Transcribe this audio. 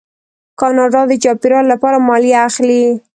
کاناډا د چاپیریال لپاره مالیه اخلي.